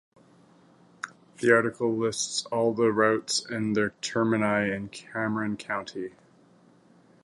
This article lists all the routes and their termini in Cameron County.